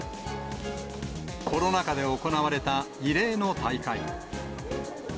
コロナ禍で行われた異例の大会。